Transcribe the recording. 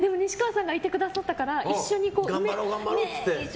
でも、西川さんがいてくださったから一緒に。